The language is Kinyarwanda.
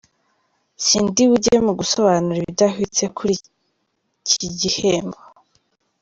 "Sindibujye mu gusobanura ibidahwitse kuri iki gihembo".